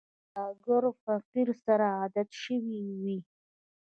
سوالګر له فقر سره عادت شوی وي